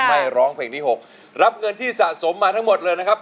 ร้องเพลงที่๖รับเงินที่สะสมมาทั้งหมดเลยนะครับ